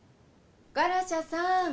・ガラシャさん